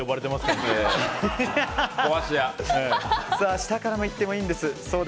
下からいってもいいんです。